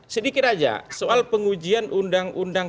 sedikit aja soal pengujian undang undang